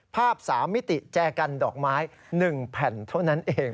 ๓มิติแจกันดอกไม้๑แผ่นเท่านั้นเอง